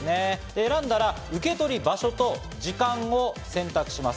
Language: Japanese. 選んだら受け取り場所と時間を選択します。